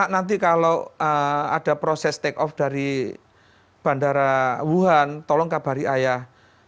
nanti kalau ada proses take off dari bandara wuhan tolong kabari ayah